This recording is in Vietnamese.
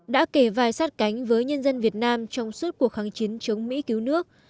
đã kể vài sát cánh với nhân dân việt nam trong suốt cuộc kháng chiến chống mỹ cứu nước